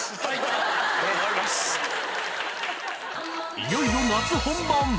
いよいよ夏本番！